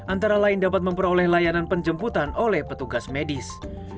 antara lain dapat memperoleh layanan penjemputan oleh petugas medis